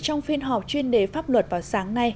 trong phiên họp chuyên đề pháp luật vào sáng nay